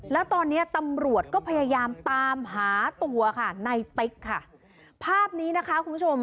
แล้วตอนเนี้ยตำรวจก็พยายามตามหาตัวค่ะในติ๊กค่ะภาพนี้นะคะคุณผู้ชม